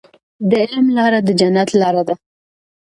د علم لاره د جنت لاره ده.